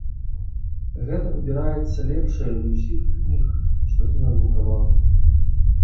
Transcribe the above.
Гэта выбіраецца лепшае з усіх кніг, што ты надрукаваў.